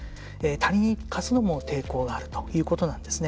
他人に貸すのも抵抗があるということです。